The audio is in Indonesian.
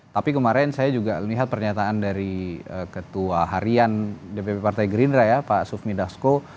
tapi kemarin saya juga lihat pernyataan dari ketua harian dpp partai gerindra ya pak sufmi dasko